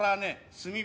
炭火。